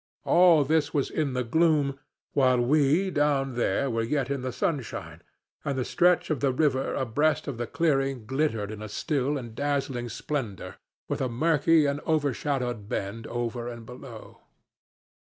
All this was in the gloom, while we down there were yet in the sunshine, and the stretch of the river abreast of the clearing glittered in a still and dazzling splendor, with a murky and over shadowed bend above and below.